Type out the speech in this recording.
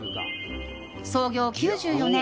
創業９４年。